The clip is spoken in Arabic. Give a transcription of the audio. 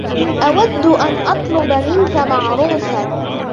أود أن أطلب منك معروفا.